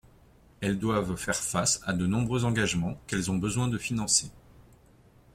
Elles doivent faire face à de nombreux engagements, qu’elles ont besoin de financer.